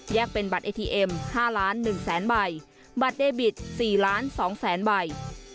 แยกเป็นบัตรเอทีเอ็มห้าร้านหนึ่งแสนใบบัตรเดบิตสี่ล้านสองแสนใบ